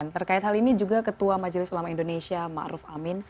terkait hal ini juga ketua majelis ulama indonesia ma'ruf amin